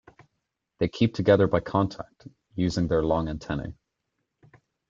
They keep together by contact, using their long antennae.